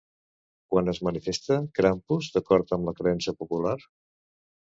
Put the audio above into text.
Quan es manifesta Krampus d'acord amb la creença popular?